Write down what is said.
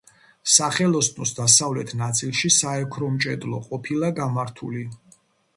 სახელოსნოს დასავლეთ ნაწილში საოქრომჭედლო ყოფილა გამართული.